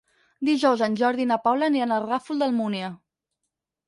Dijous en Jordi i na Paula aniran al Ràfol d'Almúnia.